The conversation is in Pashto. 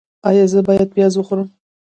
ایا زه باید پیاز وخورم؟